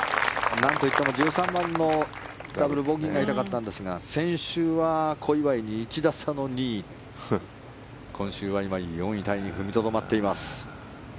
なんといっても１３番のダブルボギーが痛かったんですが先週は小祝に１打差の２位。今週は岩井４位タイにとどまっています。